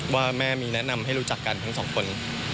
ว่าแม่มีแนะนำให้รู้จักกันทั้งสองคน